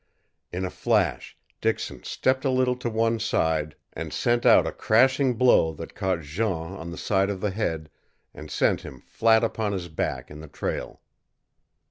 In a flash Dixon stepped a little to one side, and sent out a crashing blow that caught Jean on the side of the head and sent him flat upon his back in the trail.